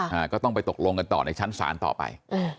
อ่าก็ต้องไปตกลงกันต่อในชั้นศาลต่อไปอืม